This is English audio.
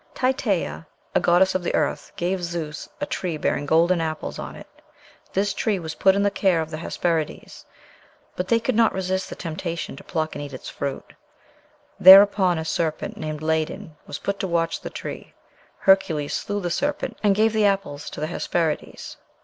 Titæa, "a goddess of the earth," gave Zeus a tree bearing golden apples on it. This tree was put in the care of the Hesperides, but they could not resist the temptation to pluck and eat its fruit; thereupon a serpent named Ladon was put to watch the tree. Hercules slew the serpent, and gave the apples to the Hesperides.